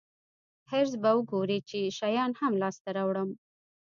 حرص به ورکوي چې شیان هم لاسته راوړم.